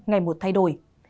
ngày một thay đổi